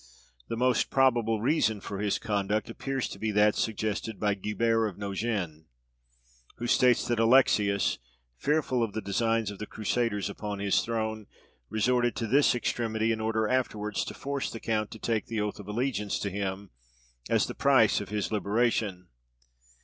The most probable reason for his conduct appears to be that suggested by Guibert of Nogent, who states that Alexius, fearful of the designs of the Crusaders upon his throne, resorted to this extremity in order afterwards to force the count to take the oath of allegiance to him, as the price of his liberation.